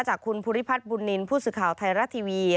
จากคุณภูริพัฒน์บุญนินทร์ผู้สื่อข่าวไทยรัฐทีวี